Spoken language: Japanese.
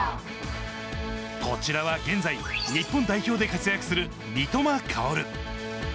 こちらは現在、日本代表で活躍する三笘薫。